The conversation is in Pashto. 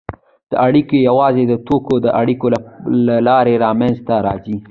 دا اړیکې یوازې د توکو د اړیکو له لارې منځته راځي